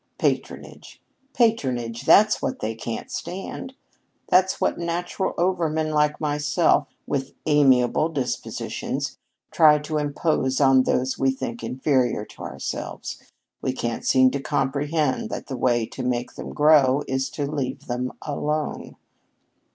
patronage, patronage, that's what they can't stand that's what natural overmen like myself with amiable dispositions try to impose on those we think inferior to ourselves. We can't seem to comprehend that the way to make them grow is to leave them alone."